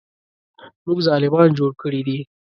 موږ ظالمان جوړ کړي دي.